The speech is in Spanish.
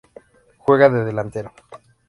Juega de delantero.